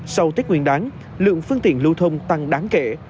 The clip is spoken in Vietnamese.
sau tết nguyên đáng lượng phương tiện lưu thông tăng đáng kể